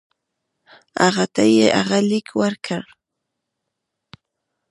هغه ته یې هغه لیک ورکړ.